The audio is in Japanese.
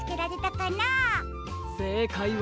せいかいは。